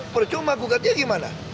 percuma gugatnya gimana